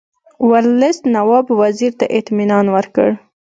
ورلسټ نواب وزیر ته اطمینان ورکړ.